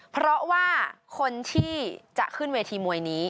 เพราะว่าคนที่จะขึ้นเวทีมวยนี้